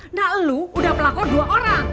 nah lo udah pelakor dua orang